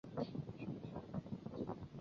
关于小孩堤防的得名历史有许多故事。